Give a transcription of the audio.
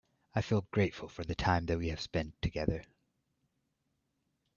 I feel grateful for the time that we have spend together.